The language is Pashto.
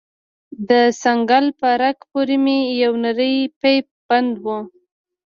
د څنگل په رگ پورې مې يو نرى پيپ بند و.